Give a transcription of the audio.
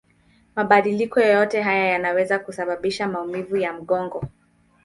Mabadiliko yoyote haya yanaweza kusababisha maumivu ya mgongo.